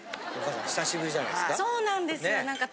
・久しぶりじゃないですか？